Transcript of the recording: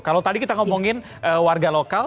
kalau tadi kita ngomongin warga lokal